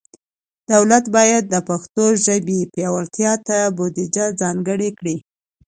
دولت باید د پښتو ژبې پیاوړتیا ته بودیجه ځانګړي کړي.